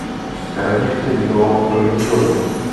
Hradiště bývalo trojdílné.